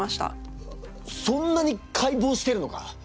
そんなに解剖してるのか？